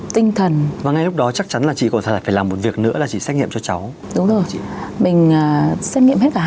thằng này bị lộn bố mẹ của nó